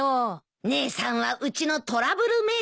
姉さんはうちのトラブルメーカーだからね。